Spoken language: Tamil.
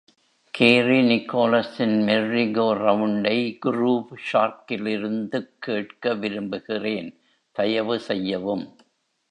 கேரி நிக்கோலஸ்சின் மெர்ரி கோ ரவுண்ட்டை குரூவ் ஷார்க்கிலிருந்துக் கேட்க விரும்புகிறேன். தயவுசெய்யவும்.